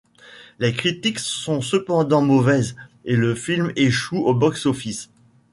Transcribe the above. Les critiques sont cependant mauvaises, et le film échoue au box-office.